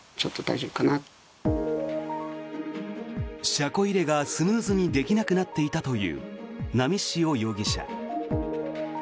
車庫入れがスムーズにできなくなっていたという波汐容疑者。